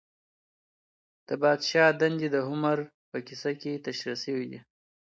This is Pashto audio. د پادشاه دندې د هومر په کيسه کي تشريح سوې دي.